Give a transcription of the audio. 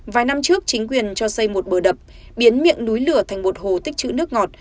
vài năm trước chính quyền cho xây một bờ đập biến miệng núi lửa thành một hồ tích chữ nước ngọt